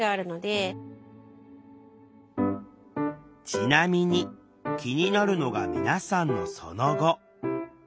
ちなみに気になるのが皆さんのその後。